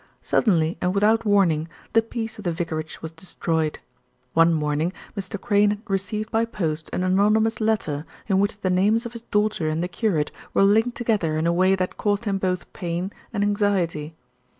Suddenly and without warning the peace of the vicarage was destroyed. One morning Mr. Crayne received by post an anonymous letter, in which the names of his daughter and the curate were linked together in a way that caused him both pain, and anxiety.